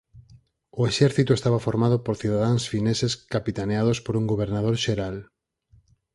O exército estaba formado por cidadáns fineses capitaneados por un gobernador xeral.